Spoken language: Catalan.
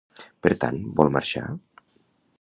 Per tant, vol marxar?